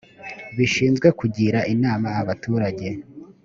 bishinzwe kugira inama abaturage